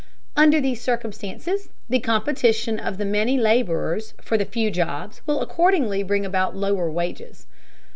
Under these circumstances the competition of the many laborers for the few jobs will accordingly bring about lower wages.